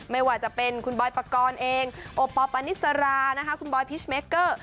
ไม่ว่าจะเป็นคุณบอยปกรณ์เองโอปอลปานิสรานะคะคุณบอยพิชเมคเกอร์